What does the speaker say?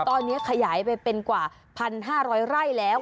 ตอนนี้ขยายไปเป็นกว่า๑๕๐๐ไร่แล้ว